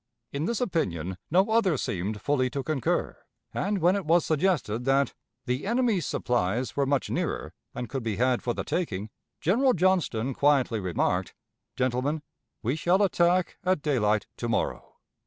In this opinion no other seemed fully to concur; and when it was suggested that 'the enemy's supplies were much nearer, and could be had for the taking,' General Johnston quietly remarked, 'Gentlemen, we shall attack at daylight to morrow.'